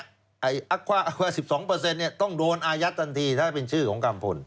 ว่า๑๒ต้องโดนอายัดทันทีถ้าเป็นชื่อของกัมพล